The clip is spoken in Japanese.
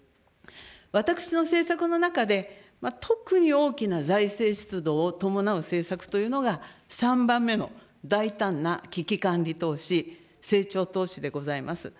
私の政策の中で、特に大きな財政出動を伴う政策というのが、３番目の大胆な危機管理投資、成長投資でございます。